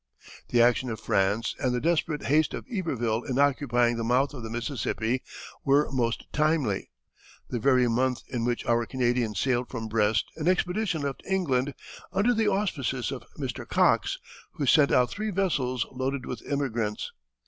The action of France and the desperate haste of Iberville in occupying the mouth of the Mississippi were most timely. The very month in which our Canadian sailed from Brest an expedition left England under the auspices of Mr. Cox, who sent out three vessels loaded with emigrants.